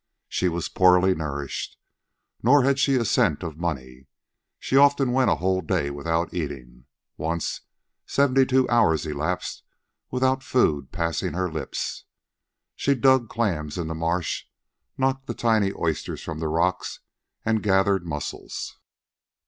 She was poorly nourished. Nor had she a cent of money. She often went a whole day without eating. Once, seventy two hours elapsed without food passing her lips. She dug clams in the marsh, knocked the tiny oysters from the rocks, and gathered mussels.